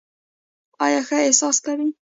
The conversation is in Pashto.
آیا ښه احساس کوې؟